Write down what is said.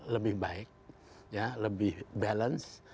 lebih baik lebih balance